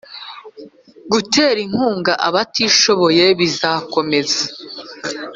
gutera inkunga abatishoboye bizakomeza